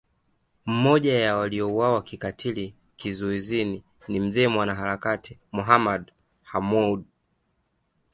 Mmoja ya waliouawa kikatili kizuizini ni Mzee mwanaharakati Mohamed Hamoud